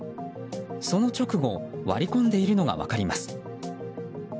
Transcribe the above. その直後割り込んでいるのが分かります。